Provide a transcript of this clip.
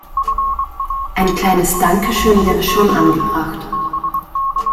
Ein kleines Dankeschön wäre schon angebracht.